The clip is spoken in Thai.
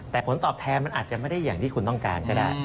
แต่ผลตอบแทนมันอาจจะไม่ได้อย่างที่คุณต้องการก็ได้